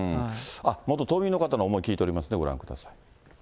元島民の方の思い聞いておりますので、ご覧ください。